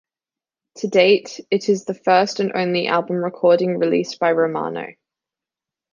To date, it is the first and only album recording released by Romano.